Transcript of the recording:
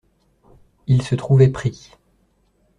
Ils se trouvaient pris.